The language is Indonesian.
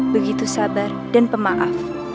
begitu sabar dan pemaaf